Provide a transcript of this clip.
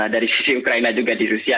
dari sisi ukraina juga di rusia